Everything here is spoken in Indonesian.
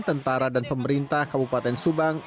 tentara dan pemerintah kabupaten subang